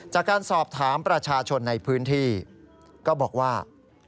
จากการสอบถามประชาชนในพื้นที่ก็บอกว่า